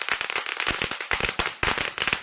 ขอให้แม่กลับออกไปล่ะค่ะ